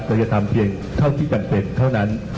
จะทำเพียงเท่าที่จำเป็นเท่านั้น